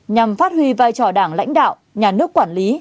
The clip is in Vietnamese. nhằm phát huy vai trò đảng lãnh đạo nhà nước quản lý